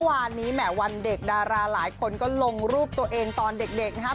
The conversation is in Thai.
แหนวันเด็กดาราหลายคนก็ลงรูปตัวเองตอนเด็กนะครับ